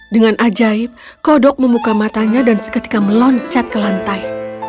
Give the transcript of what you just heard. dengan ajaib kodok memuka matanya dan seketika meloncat ke lantai